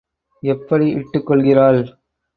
எப்படி இட்டுக் கொள்கிறாள்?